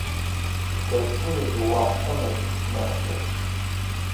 Илъэсым изыуахътэ мэзищ мэхъу.